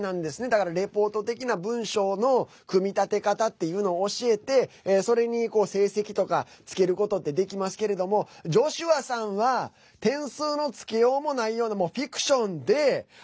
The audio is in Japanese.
だからレポート的な文章の組み立て方っていうのを教えてそれに成績とかつけることってできますけれどもジョシュアさんは点数のつけようもないようなフィクションで。